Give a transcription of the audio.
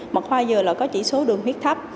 mật hoa dừa có chỉ số đường huyết thấp